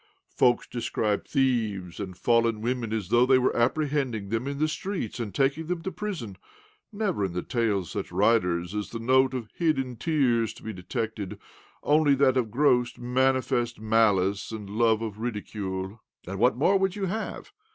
Folk describe thieves and fallen women as though they were apprehending them in the streets and taking them to prison. Never in the tales of such writers is the note of ' hidden tears ' to be detected —only that of gross, manifest malice and love of ridicule." " And what more would you have